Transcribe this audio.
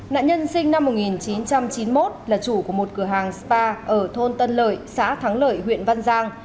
nạn nhân sinh năm một nghìn chín trăm chín mươi một là chủ của một cửa hàng spa ở thôn tân lợi xã thắng lợi huyện văn giang